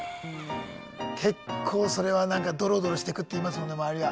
結構それはなんかドロドロしてくって言いますもんね周りが。